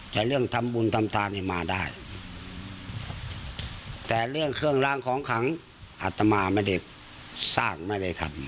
แต่เรื่องทำบุญทำทานนี่มาได้แต่เรื่องเครื่องล้างของขังอัตมาไม่ได้สร้างไม่ได้ทำ